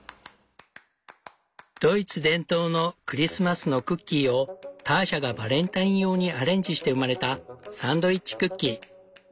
ドイツ伝統のクリスマスのクッキーをターシャがバレンタイン用にアレンジして生まれた「サンドイッチクッキー」。